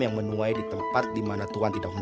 yang menuai di tempat di mana tuan tidak menabur